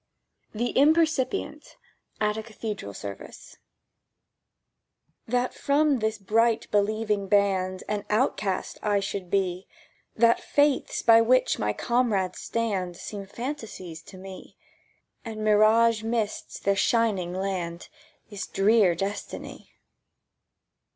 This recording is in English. THE IMPERCIPIENT (AT A CATHEDRAL SERVICE) THAT from this bright believing band An outcast I should be, That faiths by which my comrades stand Seem fantasies to me, And mirage mists their Shining Land, Is a drear destiny.